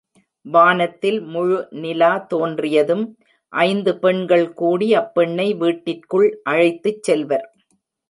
வானத்தில் முழு நிலா தோன்றியதும், ஐந்து பெண்கள் கூடி அப்பெண்ணை வீட்டிற்குள் அழைத்துச் செல்வர்.